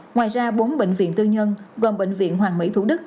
ngoài ra bốn bệnh viện tư nhân gồm bệnh viện hoàng mỹ thủ đức